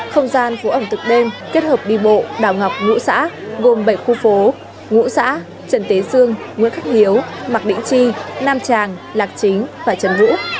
không gian phố ẩm thực đêm kết hợp đi bộ đảo ngọc ngũ xã gồm bảy khu phố ngũ xã trần tế dương nguyễn khắc hiếu mặc định chi nam tràng lạc chính và trần vũ